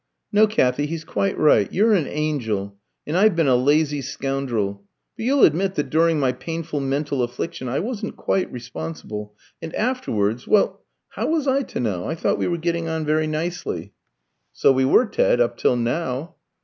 No, Kathy, he's quite right. You're an angel, and I've been a lazy scoundrel. But you'll admit that during my painful mental affliction I wasn't quite responsible. And afterwards well, how was I to know? I thought we were getting on very nicely." "So we were, Ted up till now."